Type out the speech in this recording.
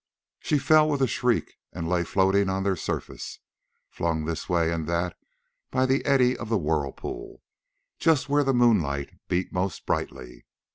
She fell with a shriek and lay floating on their surface, flung this way and that by the eddy of the whirlpool just where the moonlight beat most brightly.